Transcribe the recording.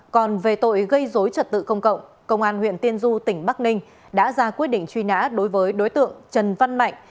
còn về tội gây dối trật tự công cộng công an huyện tiên du tỉnh bắc ninh đã ra quyết định truy nã đối với đối tượng trần văn mạnh